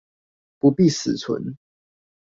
不必死存